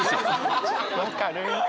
分かる。